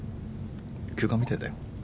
休暇みたいだよ。